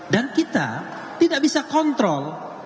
dan kita tidak bisa kontrol